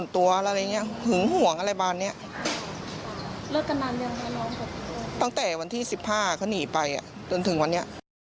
ตั้งแต่วันที่๑๕เขาหนีไปจนถึงวันนี้